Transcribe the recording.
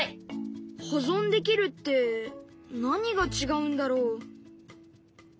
保存できるって何が違うんだろう？